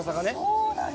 そうなんや！